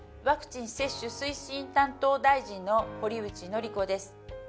ワクチン接種推進担当大臣の堀内詔子です。